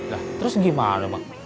lah terus gimana bang